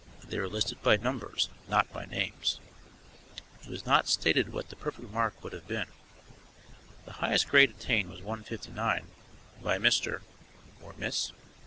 They were listed by numbers, not by names. It was not stated what the perfect mark would have been; the highest grade attained was 159, by Mr. (or Miss?)